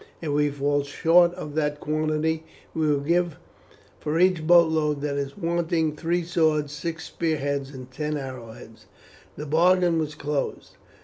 If we fall short of that quantity we will give for each boat load that is wanting three swords, six spearheads, and ten arrowheads." The bargain was closed.